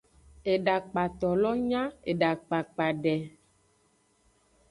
Edakpato lo nya edakpakpa de.